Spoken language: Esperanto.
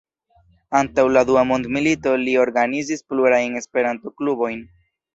Antaŭ la dua mondmilito li organizis plurajn E-klubojn.